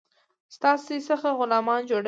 ستاسي څخه غلامان جوړوي.